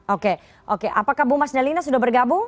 oke apakah bu mas jalina sudah bergabung